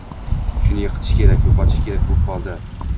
Shuni yiqitish kerak, yo‘qotish kerak bo‘p qoldi